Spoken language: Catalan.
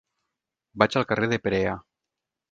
Vaig al carrer de Perea.